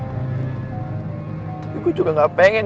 tapi gue juga gak pengen